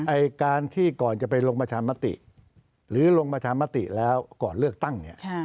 ไอ้การที่ก่อนจะไปลงประชามติหรือลงประชามติแล้วก่อนเลือกตั้งเนี่ย